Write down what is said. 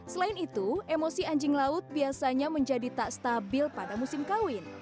selain itu emosi anjing laut biasanya menjadi tak stabil pada musim kawin